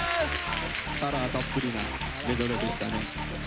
カラーたっぷりなメドレーでしたね。